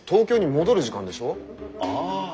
ああ。